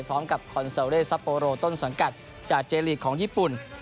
พร้อมกับซัปโปโรต้นส่วนกัดจากเจลีกของญี่ปุ่น